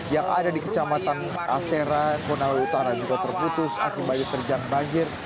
yang ada di kecamatan asera konawe utara juga terputus akibat diterjang banjir